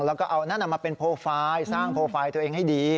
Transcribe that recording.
แล้วก็นั่นนำมาเป็นโฟลไฟล์สร้างโฟลไฟล์ตัวเองให้ดี